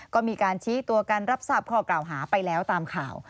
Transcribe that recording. ก็มีการชี้ตัวการรับทราบข้อกล่าวหาไปแล้วตามข่าว